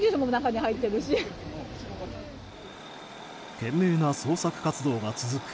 懸命な捜索活動が続く。